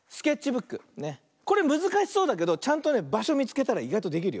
これむずかしそうだけどちゃんとねばしょみつけたらいがいとできるよ。